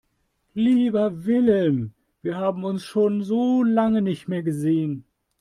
Lieber Wilhelm, wir haben uns schon so lange nicht mehr gesehen.